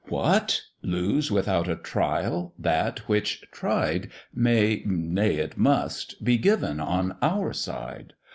What! lose without a trial, that which, tried, May nay it must be given on our side?